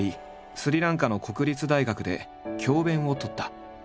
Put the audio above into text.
スリランカの国立大学で教鞭を執った。